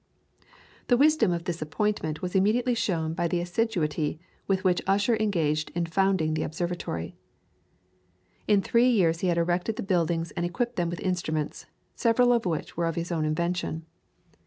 The wisdom of the appointment was immediately shown by the assiduity with which Ussher engaged in founding the observatory. In three years he had erected the buildings and equipped them with instruments, several of which were of his own invention.